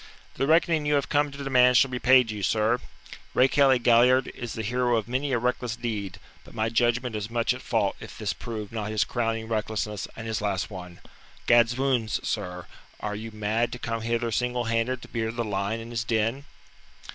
"The reckoning you have come to demand shall be paid you, sir. Rakehelly Galliard is the hero of many a reckless deed, but my judgment is much at fault if this prove not his crowning recklessness and his last one. Gadswounds, sir, are you mad to come hither single handed to beard the lion in his den?"